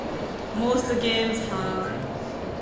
Most games have their own settings and gameplay mechanics.